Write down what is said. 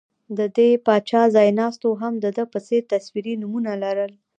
د دې پاچا ځایناستو هم د ده په څېر تصویري نومونه لرل